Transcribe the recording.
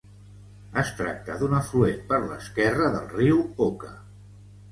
Es tracta d"un afluent per la esquerra del riu Oka.